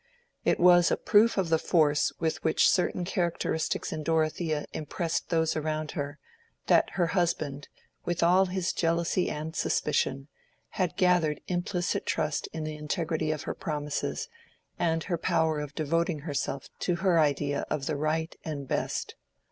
It was a proof of the force with which certain characteristics in Dorothea impressed those around her, that her husband, with all his jealousy and suspicion, had gathered implicit trust in the integrity of her promises, and her power of devoting herself to her idea of the right and best.